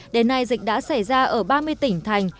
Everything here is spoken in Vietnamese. đến nay dịch đã xảy ra ở ba mươi tỉnh thành